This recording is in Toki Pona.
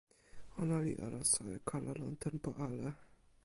ona li alasa e kala lon tenpo ale.